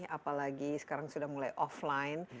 apalagi sekarang sudah mulai offline